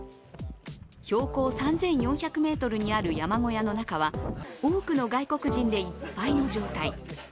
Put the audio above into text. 標高３４００ｍにある山小屋の中は多くの外国人でいっぱいの状態。